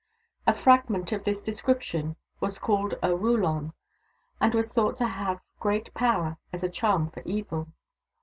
A fragment of this description was called a wuulon, and was thought to have great power as a charm for evil.